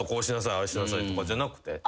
ああしなさい」じゃなくて？